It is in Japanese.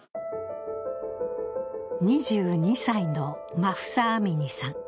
２２歳のマフサ・アミニさん。